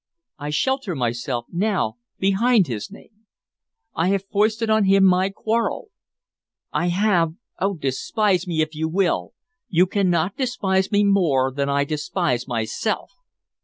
I shelter myself now behind his name. I have foisted on him my quarrel. I have Oh, despise me, if you will! You cannot despise me more than I despise myself!"